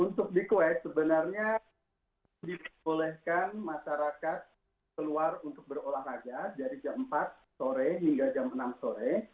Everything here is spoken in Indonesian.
untuk di kuwait sebenarnya diperbolehkan masyarakat keluar untuk berolahraga dari jam empat sore hingga jam enam sore